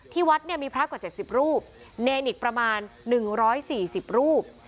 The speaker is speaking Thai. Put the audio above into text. ที่วัดมีพระกว่า๗๐รูปเนรอีกประมาณ๑๔๐รูป